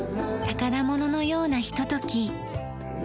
宝物のようなひととき。